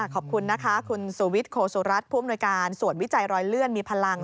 ขอบคุณนะคะคุณสุวิทย์โคสุรัตน์ผู้อำนวยการส่วนวิจัยรอยเลื่อนมีพลัง